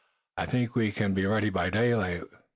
I think we can be ready by daylight.